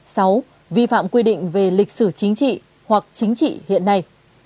sáu vi phạm quy định về lịch sử chính trị hoặc chính trị hiện nay